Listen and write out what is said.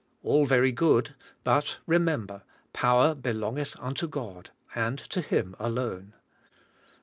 All very good, but remember, "power belongeth unto God," and to Him alone.